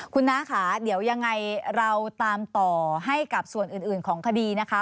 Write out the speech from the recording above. คุณน้าค่ะเดี๋ยวยังไงเราตามต่อให้กับส่วนอื่นของคดีนะคะ